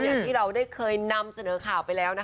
อย่างที่เราได้เคยนำเสนอข่าวไปแล้วนะคะ